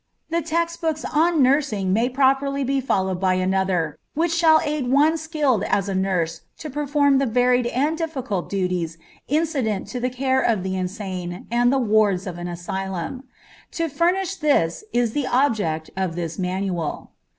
The text books on nursing may properly be followed by another, which shall aid one skilled as a nurse to perform the varied and difficult duties incident to the care of the insane and the wards of an asylum. To furnish this is the object of this manual.